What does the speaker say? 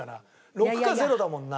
６か０だもんな。